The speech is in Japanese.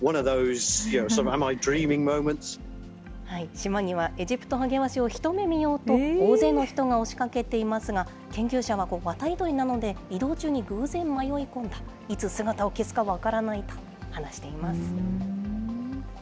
島にはエジプトハゲワシを一目見ようと、大勢の人が押しかけていますが、研究者は、渡り鳥なので、移動中に偶然迷い込んで、いつ姿を消すか分からないと話しています。